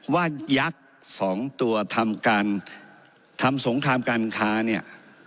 ว่ายักษ์สองตัวทำสงครามการค้าเนี่ย